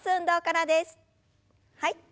はい。